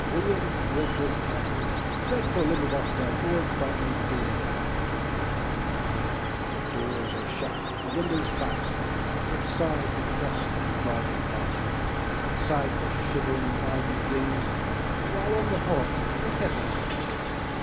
William Wilfred Campbell 1861–1918 A Canadian Folk Song CampbllWW THE DOORS are shut, the windows fast, Outside the gust is driving past, Outside the shivering ivy clings, While on the hob the kettle sings.